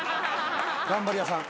頑張り屋さん。